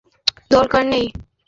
এত উপকার আমার দরকার নেই, ভাই।